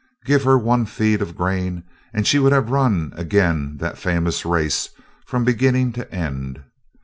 Give her one feed of grain, and she would have run again that famous race from beginning to end.